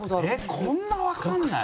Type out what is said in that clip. こんなわかんない？